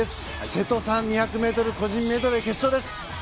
瀬戸さん２００ｍ個人メドレー決勝です。